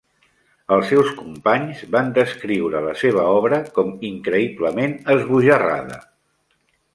Els seus companys van descriure la seva obra com "increïblement esbojarrada".